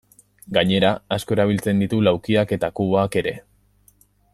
Gainera, asko erabiltzen ditu laukiak eta kuboak ere.